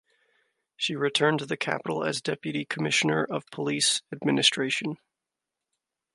She returned to the capital as Deputy Commissioner of Police (Administration).